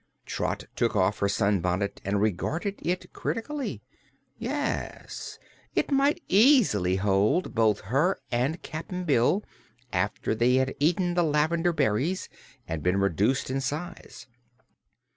Trot took off her sunbonnet and regarded it critically. Yes, it might easily hold both her and Cap'n Bill, after they had eaten the lavender berries and been reduced in size.